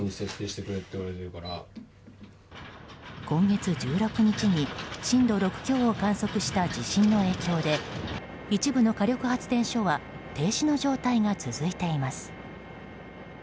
今月１６日に震度６強を観測した地震の影響で一部の火力発電所は停止の状態が続いています。